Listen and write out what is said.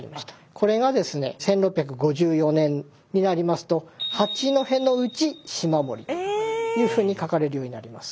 これがですね１６５４年になりますと「八戸ノ内嶋森」というふうに書かれるようになります。